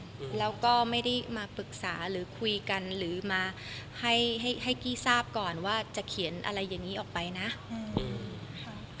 อืมแล้วก็ไม่ได้มาปรึกษาหรือคุยกันหรือมาให้ให้ให้กี้ทราบก่อนว่าจะเขียนอะไรอย่างงี้ออกไปนะอืมค่ะ